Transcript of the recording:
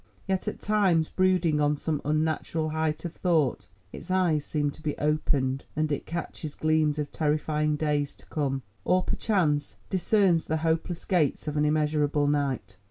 Yet, at times, brooding on some unnatural height of Thought, its eyes seem to be opened, and it catches gleams of terrifying days to come, or perchance, discerns the hopeless gates of an immeasurable night.